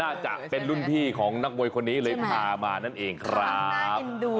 น่าจะเป็นรุ่นพี่ของนักโบยคนนี้แหลยภามานั่นเองครับชอบขนาดจึง